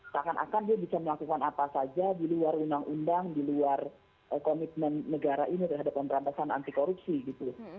takkan akan dia bisa melakukan apa saja di luar undang undang di luar komitmen negara ini terhadap pemberantasan anti korupsi gitu